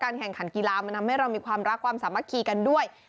นึกถึงสมัย